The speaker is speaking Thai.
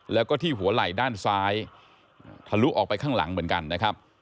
แล้วก็ที่หัวไหล่ด้านซ้ายทะลุออกไปข้างหลังเหมือนกันนะครับ